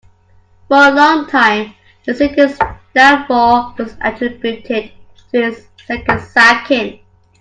For a long time, the city's downfall was attributed to its second sacking.